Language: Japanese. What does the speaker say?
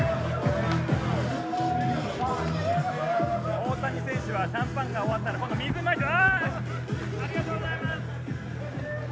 大谷選手はシャンパンが終わったら今度、水をまいてる。